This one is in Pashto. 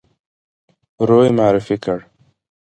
روی معرفي کړ.